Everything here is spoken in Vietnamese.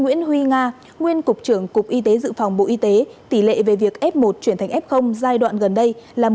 nguyễn huy nga nguyên cục trưởng cục y tế dự phòng bộ y tế tỷ lệ về việc f một chuyển thành f giai đoạn gần đây là một